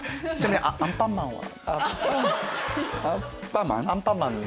アンパンマンは？